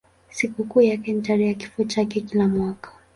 Sikukuu yake ni tarehe ya kifo chake kila mwaka.